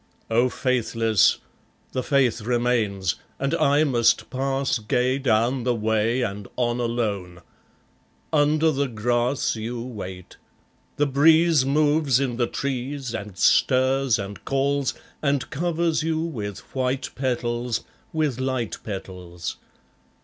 O faithless! the faith remains, and I must pass Gay down the way, and on alone. Under the grass You wait; the breeze moves in the trees, and stirs, and calls, And covers you with white petals, with light petals.